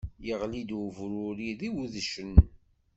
Iɣli-d ubruri d iwedcen.